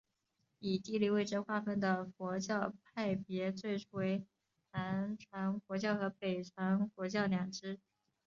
以地理位置划分的佛教派别最初为南传佛教和北传佛教两支。